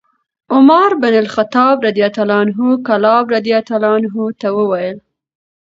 عمر بن الخطاب رضي الله عنه کلاب رضي الله عنه ته وویل: